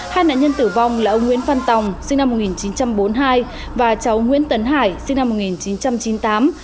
hai nạn nhân tử vong là ông nguyễn văn tòng sinh năm một nghìn chín trăm bốn mươi hai và cháu nguyễn tấn hải sinh năm một nghìn chín trăm chín mươi tám